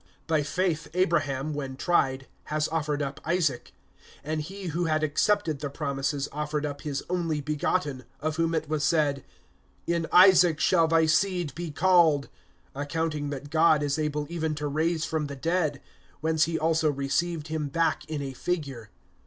(17)By faith Abraham, when tried, has offered up Isaac; and he who had accepted the promises offered up his only begotten, (18)of whom it was said: In Isaac shall thy seed be called; (19)accounting that God is able even to raise from the dead; whence he also received him back in a figure.